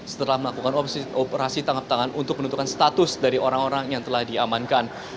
setelah melakukan operasi tangkap tangan untuk menentukan status dari orang orang yang telah diamankan